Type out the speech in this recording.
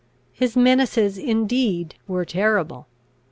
His menaces indeed were terrible.